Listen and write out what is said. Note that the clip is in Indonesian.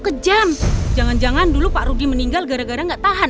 sampai jumpa di video selanjutnya